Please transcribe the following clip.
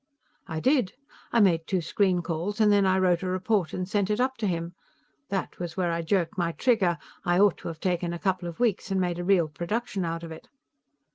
"I did. I made two screen calls, and then I wrote a report and sent it up to him. That was where I jerked my trigger; I ought to have taken a couple of weeks and made a real production out of it."